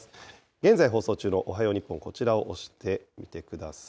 現在放送中のおはよう日本、こちらを押してみてください。